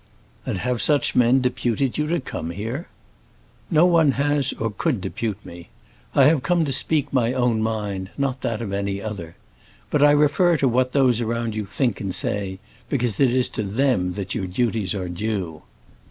"And have such men deputed you to come here?" "No one has or could depute me. I have come to speak my own mind, not that of any other. But I refer to what those around you think and say, because it is to them that your duties are due.